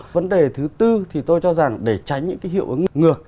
vấn đề thứ tư thì tôi cho rằng để tránh những cái hiệu ứng ngược